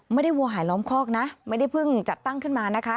วัวหายล้อมคอกนะไม่ได้เพิ่งจัดตั้งขึ้นมานะคะ